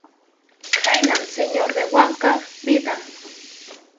Khaynam Señor de Wankap vidan.